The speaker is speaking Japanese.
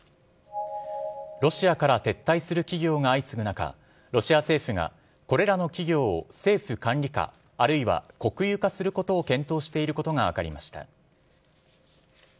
ロシアから撤退する企業が相次ぐ中ロシア政府がこれらの企業を政府管理下あるいは国有化することを検討していることが分かりました。